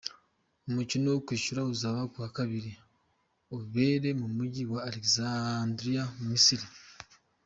Umukino wo kwishyura uzaba ku wa kabiri, ubere mu mujyi wa Alexandria mu Misiri.